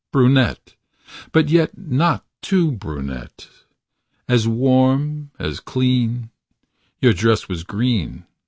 Brunette , 5 But yet not too brunette. As warm, as clean Your dress was green.